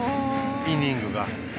イニングが。